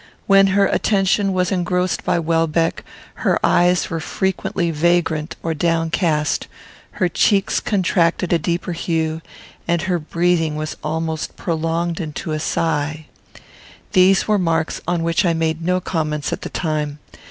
When her attention was engrossed by Welbeck, her eyes were frequently vagrant or downcast; her cheeks contracted a deeper hue; and her breathing was almost prolonged into a sigh. These were marks on which I made no comments at the time.